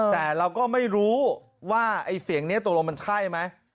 แต่เราก็ไม่รู้ว่าเสียงนี้ตรงวงมันใช่มั้ย